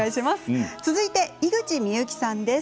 続いて井口深雪さんです。